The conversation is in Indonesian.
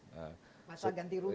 masalah ganti rugi